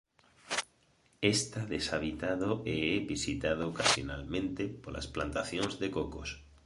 Esta deshabitado e é visitado ocasionalmente polas plantacións de cocos.